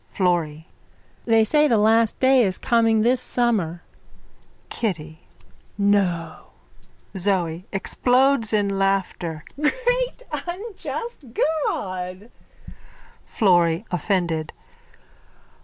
_ FLORRY: They say the last day is coming this summer. KITTY: No! ZOE: (Explodes in laughter.) Great unjust God! FLORRY: _(Offended.)